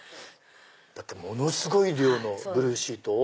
だってものすごい量のブルーシートを。